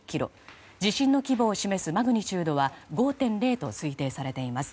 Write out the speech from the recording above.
地震の規模を示すマグニチュードは５．０と推定されています。